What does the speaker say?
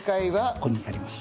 これになります。